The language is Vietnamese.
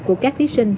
của các thí sinh